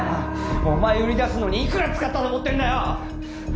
お前売り出すのにいくら使ったと思ってんだよ